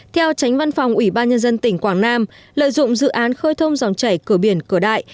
theo tránh văn phòng ủy ban nhân dân tỉnh quảng nam lợi dụng dự án khơi thông dòng chảy cửa biển cửa đại